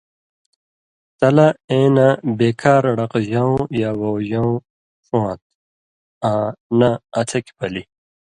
تلہ اېں نہ بے کار ڑقژؤں یا وؤژؤں ݜُون٘واں تھہ آں نہ اڅھکیۡ بلی۔